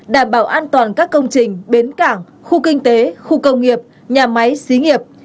đảm bảo an toàn các công trình bến cảng khu kinh tế khu công nghiệp nhà máy xí nghiệp